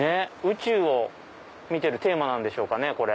宇宙を見てるテーマなんでしょうかね。